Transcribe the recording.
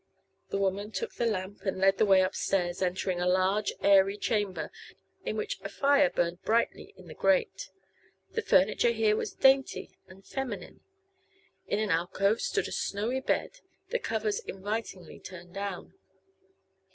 The woman took the lamp and led the way upstairs, entering a large, airy chamber in which a fire burned brightly in the grate. The furniture here was dainty and feminine. In an alcove stood a snowy bed, the covers invitingly turned down.